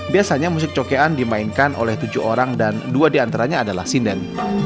biasanya musik cokean dimainkan oleh tujuh orang dan dua diantaranya adalah sinden